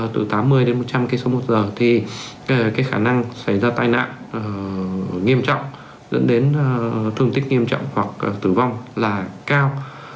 từ tám mươi đến một trăm linh km một giờ thì cái khả năng xảy ra tai nạn nghiêm trọng dẫn đến thương tích nghiêm trọng hoặc tử vong là cao